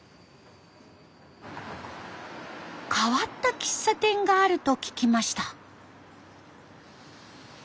変わった喫茶店があると聞きました。